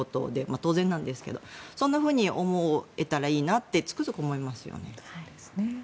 当然なんですけどそんなふうに思えたらいいなってつくづく思いますよね。